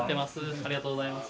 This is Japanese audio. ありがとうございます。